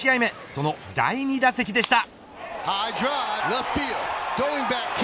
その第２打席でした。